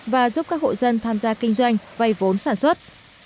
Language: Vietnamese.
và giúp các hộ dân tham gia kinh doanh vây vốn sản xuất